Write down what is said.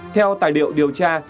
theo tài liệu điều tra